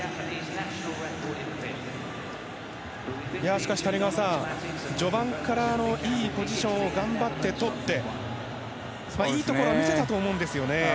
しかし、谷川さん序盤からいいポジションを頑張ってとっていいところを見せたと思うんですね。